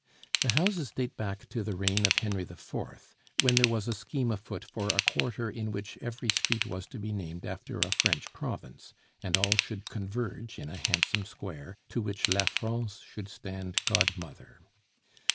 The houses date back to the reign of Henry IV., when there was a scheme afoot for a quarter in which every street was to be named after a French province, and all should converge in a handsome square to which La France should stand godmother.